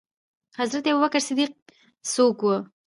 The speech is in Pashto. حضرت ابوبکر صديق څوک وو؟